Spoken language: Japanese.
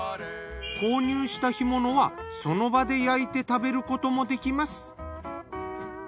購入した干物はその場で焼いて食べることも出来ます。